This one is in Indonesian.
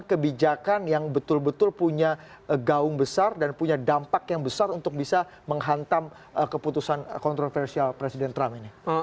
kebijakan yang betul betul punya gaung besar dan punya dampak yang besar untuk bisa menghantam keputusan kontroversial presiden trump ini